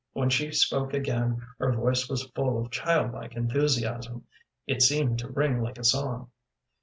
When she spoke again her voice was full of childlike enthusiasm; it seemed to ring like a song.